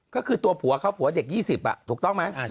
ก็คือตัวผัวเขาผัวเด็ก๒๐ถูกต้องไหม